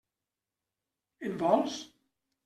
En vols?